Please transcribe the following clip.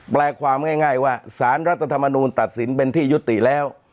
แปลความง่ายว่าสารรัฐธรรมนูลตัดสินเป็นที่ยุติแล้ว